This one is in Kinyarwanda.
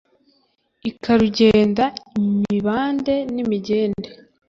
ikarugenda imibande n’imigende